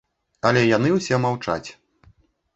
Але ўсе яны маўчаць.